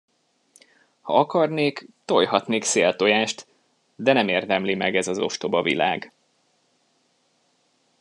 Ha akarnék, tojhatnék széltojást, de nem érdemli meg ez az ostoba világ.